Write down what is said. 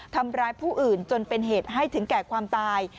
ทำร้ายผู้อื่นจนเป็นเหตุให้ถึงแก่ความตาย